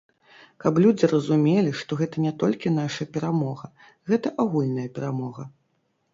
Каб людзі разумелі, што гэта не толькі наша перамога, гэта агульная перамога.